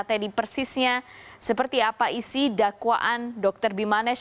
tadi persisnya seperti apa isi dakwaan dr bimanesh